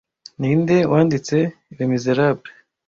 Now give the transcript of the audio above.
Ninde wanditse Les Miserable